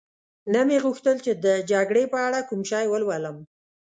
نه مې غوښتل چي د جګړې په اړه کوم شی ولولم.